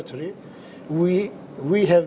kita telah melihat